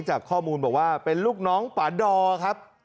จากข้อมูลบอกว่าเป็นลูกน้องป่าดอครับ